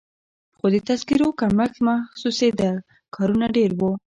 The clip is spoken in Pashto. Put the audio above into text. خو د تذکیرو کمښت محسوسېده، کارونه ډېر وو.